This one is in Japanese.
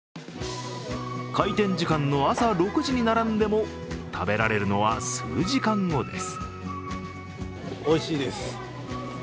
開店時間の朝６時に並んでも食べられるのは数時間後です。